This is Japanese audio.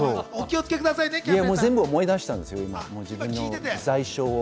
今、思い出したんですよ。